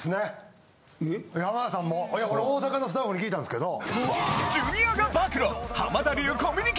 いやこれ大阪のスタッフに聞いたんですけど。